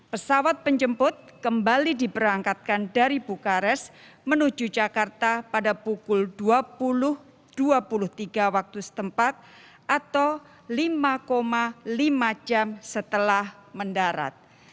pesawat penjemput kembali diberangkatkan dari bukares menuju jakarta pada pukul dua puluh dua puluh tiga waktu setempat atau lima lima jam setelah mendarat